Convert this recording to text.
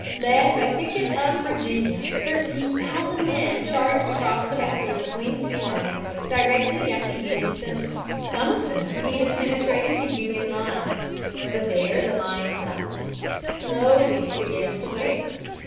Led by Pickett of Virginia, thirteen thousand men charged across the valley between the two armies directly at the Union center. Some of them even penetrated the Union lines. But there the line stopped. Slowly it began to waver.